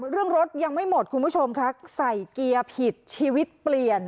เรื่องรถยังไม่หมดคุณผู้ชมค่ะใส่เกียร์ผิดชีวิตเปลี่ยน